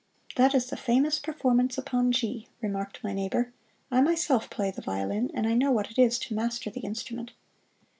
"That is the famous performance upon G," remarked my neighbor. "I myself play the violin, and I know what it is to master the instrument."